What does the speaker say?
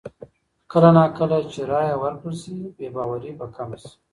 کله نا کله چې رایه ورکړل شي، بې باوري به کمه شي.